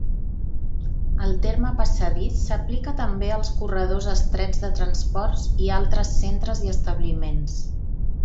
El terme passadís s'aplica també als corredors estrets de transports i altres centres i establiments.